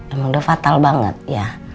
emang udah fatal banget ya